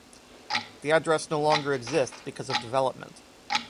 The address no longer exists because of development.